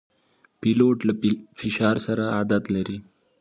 پیلوټ له فشار سره عادت لري.